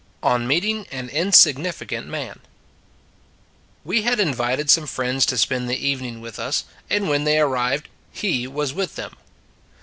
ON MEETING AN INSIG NIFICANT MAN WE had invited some friends to spend the evening with us ; and when they arrived, he was with them.